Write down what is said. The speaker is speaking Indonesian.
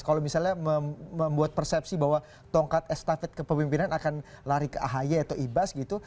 kalau misalnya membuat persepsi bahwa tongkat estafet kepemimpinan akan lari ke ahy atau ibas gitu